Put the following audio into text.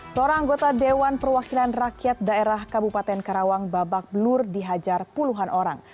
seorang anggota dewan perwakilan rakyat daerah kabupaten karawang babak belur dihajar puluhan orang